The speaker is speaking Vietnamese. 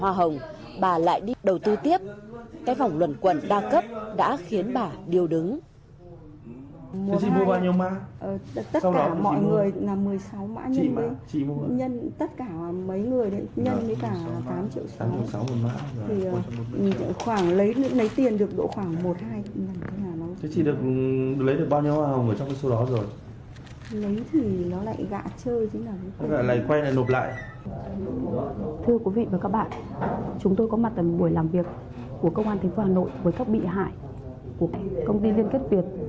thưa quý vị và các bạn chúng tôi có mặt ở một buổi làm việc của công an thành phố hà nội với các bị hại của công ty liên kết việt